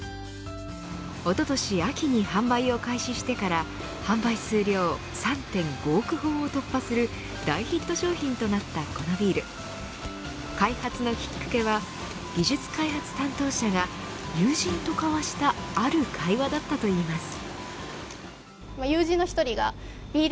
おととし秋に販売を開始してから販売数量３．５億本を突破する大ヒット商品となったこのビール開発のきっかけは技術開発担当者が友人と交わしたある会話だったといいます。